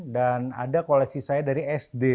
dan ada koleksi saya dari sd